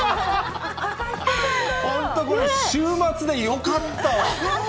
本当これ、週末でよかったわ。